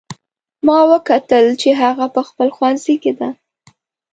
ما وکتل چې هغه په خپل ښوونځي کې ده